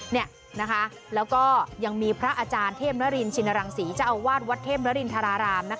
นี่นะคะแล้วก็ยังมีพระอาจารย์เทพนรรินชินรังศีจะอวาดวัดเทพนรรินทาราราม